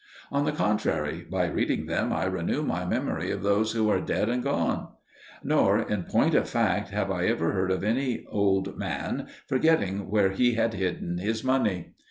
On the contrary, by reading them I renew my memory of those who are dead and gone. Nor, in point of fact, have I ever heard of any old man forgetting where he had hidden his money.